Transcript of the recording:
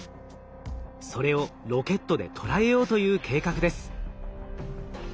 それをロケットでとらえようという計画です。